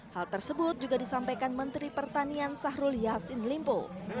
hal tersebut juga disampaikan menteri pertanian sahrul yassin limpo